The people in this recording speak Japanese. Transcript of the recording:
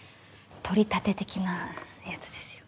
取り立て的なやつですよ。